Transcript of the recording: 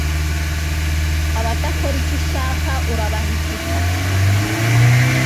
Abadakora icyo ushaka urabahigika